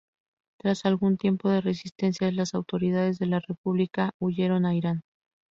Tras algún tiempo de resistencia las autoridades de la República huyeron a Irán.